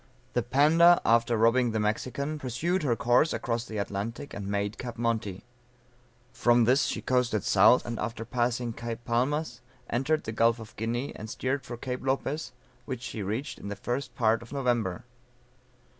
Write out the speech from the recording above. The Panda after robbing the Mexican, pursued her course across the Atlantic, and made Cape Monte; from this she coasted south, and after passing Cape Palmas entered the Gulf of Guinea, and steered for Cape Lopez which she reached in the first part of November.